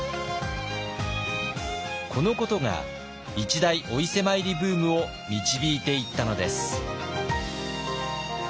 このことが一大お伊勢参りブームを導いていったのです。